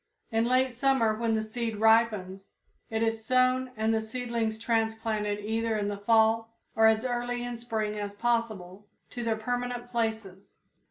In late summer when the seed ripens, it is sown and the seedlings transplanted either in the fall or as early in spring as possible to their permanent places.